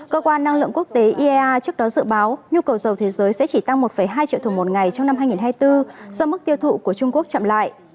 cơ quan năng lượng quốc tế iea trước đó dự báo nhu cầu dầu thế giới sẽ chỉ tăng một hai triệu thùng một ngày trong năm hai nghìn hai mươi bốn do mức tiêu thụ của trung quốc chậm lại